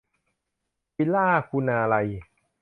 วิลล่า คุณาลัย